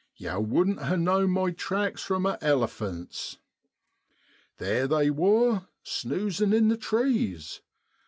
Yow wouldn't ha' known my tracks from a elliphant's. Theer they wor, snoozin' in the trees.